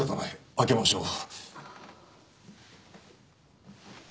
開けましょう。